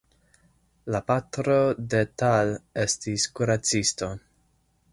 La patro de Tal estis kuracisto.